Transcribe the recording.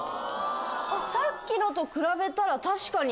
さっきと比べたら確かに。